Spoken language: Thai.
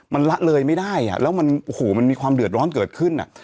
มันละเลยไม่ได้แล้วมันโอ้โหมันมีความเดือดร้อนเกิดขึ้น